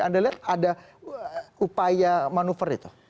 anda lihat ada upaya manuver itu